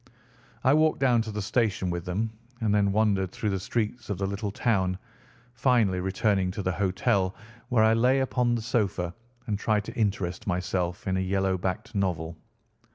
I walked down to the station with them, and then wandered through the streets of the little town, finally returning to the hotel, where I lay upon the sofa and tried to interest myself in a yellow backed novel.